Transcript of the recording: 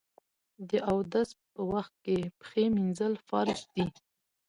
د اودس په وخت کې پښې مینځل فرض دي.